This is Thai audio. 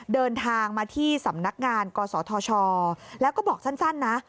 เดินทางมาที่สำนักงานกศธชแล้วก็บอกสั้นนะ